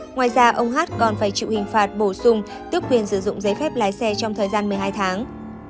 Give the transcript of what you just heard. ngoài ra ông hát còn phải chịu hình phạt bổ sung tước quyền sử dụng giấy phép lái xe trong thời gian một mươi hai tháng